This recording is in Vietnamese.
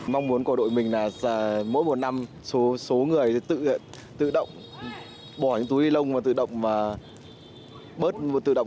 mong muốn của đội mình là mỗi một năm số người tự động bỏ những túi ni lông và tự động